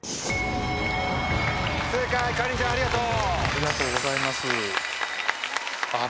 正解かりんちゃんありがとう。